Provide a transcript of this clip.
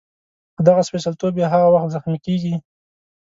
خو دغه سپېڅلتوب یې هغه وخت زخمي کېږي.